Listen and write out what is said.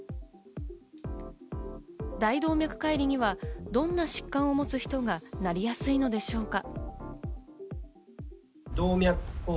大動脈解離にはどんな疾患を持つ人がなりやすいのでしょうか？